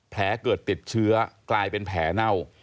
แผลเกิดติดเชื้อกลายเป็นแผลเน่า